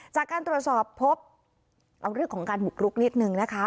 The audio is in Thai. จากการตรวจสอบพบเอาเรื่องของการบุกรุกนิดนึงนะคะ